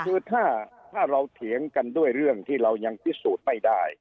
คือถ้าเราเถียงกันด้วยเรื่องที่เรายังพิสูจน์ไม่ได้